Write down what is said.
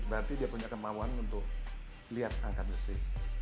berarti dia punya kemauan untuk lihat angkat besi